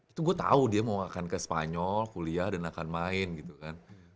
itu gue tahu dia mau akan ke spanyol kuliah dan akan main gitu kan